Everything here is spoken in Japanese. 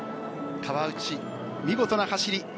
川内、見事な走り。